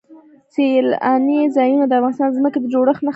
سیلانی ځایونه د افغانستان د ځمکې د جوړښت نښه ده.